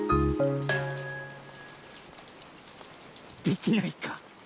できないか。